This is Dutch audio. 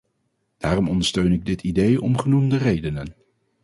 Daarom ondersteun ik dit idee om genoemde redenen.